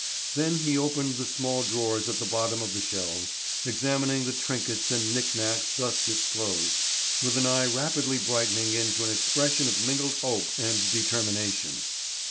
Then he opened the small drawers at the bottom of the shelves, examining the trinkets and knick knacks thus disclosed, with an eye rapidly brightening into an expression of mingled hope and determination.